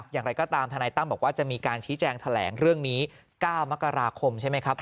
อย่างไรก็ตามทนายตั้มบอกว่าจะมีการชี้แจงแถลงเรื่องนี้๙มกราคมใช่ไหมครับ